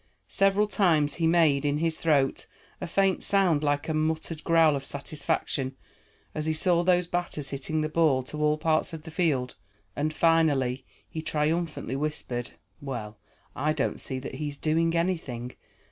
Several times he made in his throat a faint sound like a muttered growl of satisfaction, as he saw those batters hitting the ball to all parts of the field, and finally he triumphantly whispered: "Well, I don't see that he's doing anything.